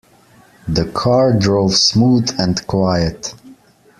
The car drove smooth and quiet.